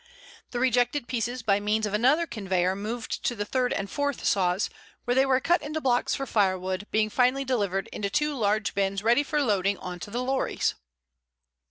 The rejected pieces by means of another conveyor moved to the third and fourth saws, where they were cut into blocks for firewood, being finally delivered into two large bins ready for loading on to the lorries.